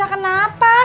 gak bisa kenapa